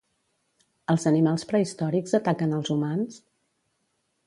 Els animals prehistòrics ataquen als humans?